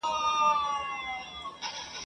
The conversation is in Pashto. پل یې هېر دی له دښتونو یکه زار له جګو غرونو !.